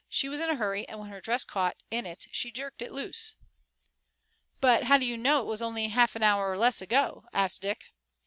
She was in a hurry, and when her dress caught in it she jerked it loose." "But how do you know it was only a half hour or less ago?" asked Dick.